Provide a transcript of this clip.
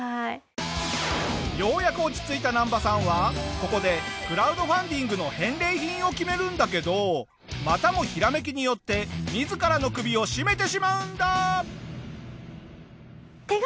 ようやく落ち着いたナンバさんはここでクラウドファンディングの返礼品を決めるんだけどまたもひらめきによって自らの首を絞めてしまうんだ！